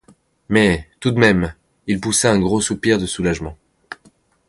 Mais, tout de même, ils poussaient un gros soupir de soulagement.